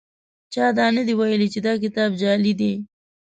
چا دا نه دي ویلي چې دا کتاب جعلي دی.